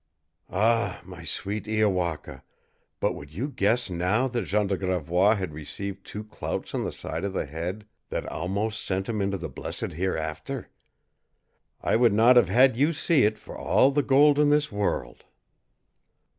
"Ah, my sweet Iowaka, but would you guess now that Jean de Gravois had received two clouts on the side of the head that almost sent him into the blessed hereafter? I would not have had you see it for all the gold in this world!"